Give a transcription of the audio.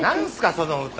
その歌。